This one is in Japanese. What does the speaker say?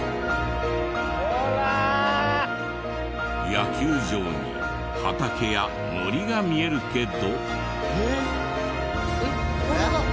野球場に畑や森が見えるけど。